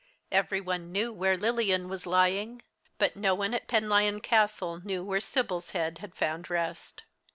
Every one knew where Lilian was lying, but no one at Penlyon Castle knew where Sibyl's head had found rest.